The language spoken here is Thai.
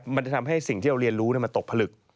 มันจะทำให้สิ่งที่เราเรียนรู้มันตกผลึก